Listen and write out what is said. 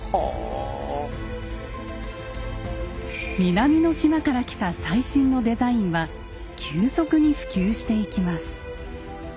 南の島から来た最新のデザインは急速に普及していきます。